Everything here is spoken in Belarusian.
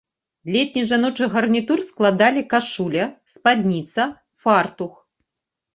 Летні жаночы гарнітур складалі кашуля, спадніца, фартух.